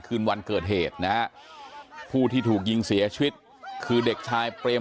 คืนวันเกิดเหตุนะฮะผู้ที่ถูกยิงเสียชีวิตคือเด็กชายเปรม